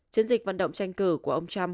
chiến dịch vận động tranh cử của ông trump